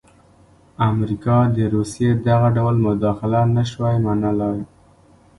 امریکا د روسیې دغه ډول مداخله نه شوای منلای.